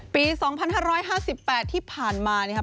ปี๒๕๕๘ที่ผ่านมาเนี่ยค่ะ